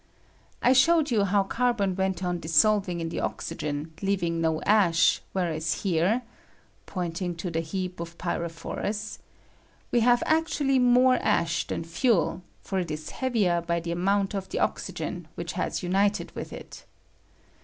I showed you how carbon went on dissolving in the oxygen, leaving no ash, whereas here [pointing to the heap of pyrophorus] we have actually more ash than fuel, for it is heavier by the amount of the oxygen which has united with it.